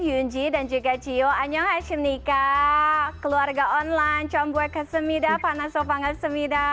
yunji dan juga cio annyeong hasil nikah keluarga online campur kesemirah panas opa ngesemirah